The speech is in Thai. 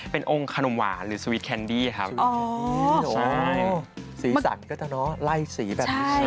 เป็นองค์ขนมหวานหรือสวีทแคนดี้ครับอ๋อใช่สีสันก็จะเนอะไล่สีแบบนี้